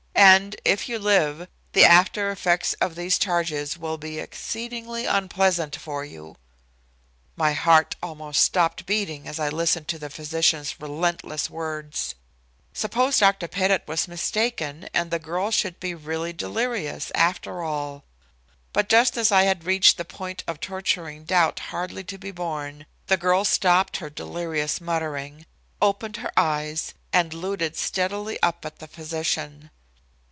And, if you live, the after effects of these charges will be exceedingly unpleasant for you." My heart almost stopped beating as I listened to the physician's relentless words. Suppose Dr. Pettit was mistaken and the girl should be really delirious, after all. But just as I had reached the point of torturing doubt hardly to be borne, the girl stopped her delirious muttering, opened her eyes and looted steadily up at the physician.